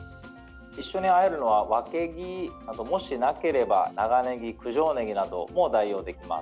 一緒にあえるのは、わけぎもしなければ、長ねぎ九条ねぎなども代用できます。